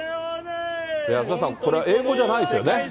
安田さん、これ、英語じゃないですよね。